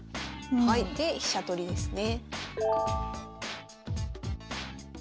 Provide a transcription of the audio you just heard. で飛車取りですね。